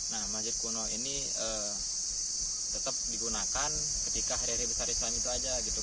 nah masjid kuno ini tetap digunakan ketika hari hari besar islam itu aja gitu